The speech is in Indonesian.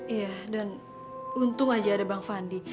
iya dan untung aja ada bang fandi